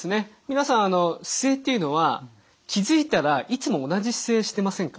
皆さん姿勢っていうのは気付いたらいつも同じ姿勢してませんか？